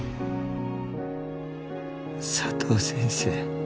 佐藤先生